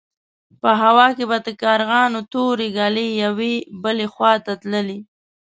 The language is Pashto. په هوا کې به د کارغانو تورې ګلې يوې بلې خوا ته تللې.